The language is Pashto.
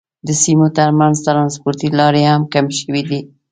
د سیمو تر منځ ترانسپورتي لارې هم کمې شوې دي.